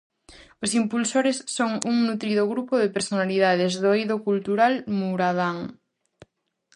Os impulsores son un nutrido grupo de personalidades do eido cultural muradán.